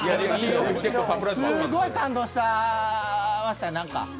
すごい感動した、しました。